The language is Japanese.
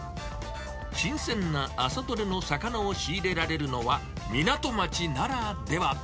新鮮な朝どれの魚を仕入れられるのは、港町ならでは。